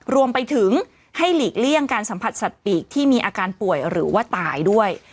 รวมไปถึงให้หลีกเลี่ยงการสัมผัสสัตว์ปีกที่มีอาการป่วยหรือว่าตายด้วย